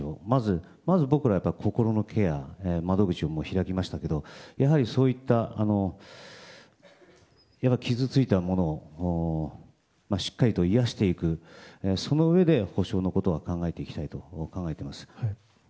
心理師の方たちを、まず僕らは心のケア、窓口を開きましたけどそういった傷ついたものをしっかりと癒やしていくそのうえで補償のことは考えていきたいと考えています。